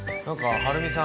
はるみさん